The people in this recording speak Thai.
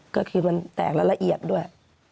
ก็คือมันแตกและละเอียดด้วย